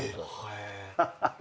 ハハハハ。